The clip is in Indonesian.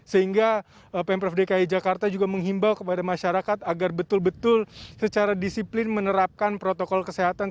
sehingga pemprov dki jakarta juga menghimbau kepada masyarakat agar betul betul secara disiplin menerapkan protokol kesehatan